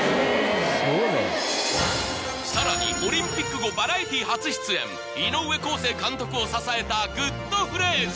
さらにオリンピック後バラエティ初出演井上康生監督を支えたグッとフレーズ